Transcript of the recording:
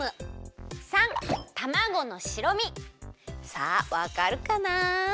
さあわかるかな？